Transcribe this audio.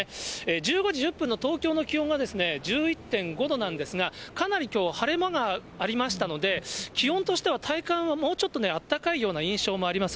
１５時１０分の東京の気温はですね、１１．５度なんですが、かなりきょう、晴れ間がありましたので、気温としては体感はもうちょっとね、暖かいような印象もあります。